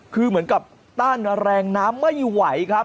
คือเหมือนกับต้านแรงน้ำไม่ไหวครับ